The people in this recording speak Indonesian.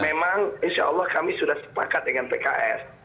memang insya allah kami sudah sepakat dengan pks